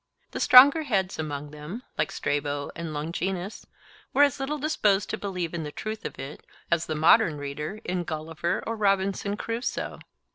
The stronger heads among them, like Strabo and Longinus, were as little disposed to believe in the truth of it as the modern reader in Gulliver or Robinson Crusoe.